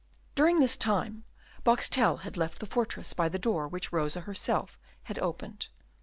During this time Boxtel had left the fortress by the door which Rosa herself had opened.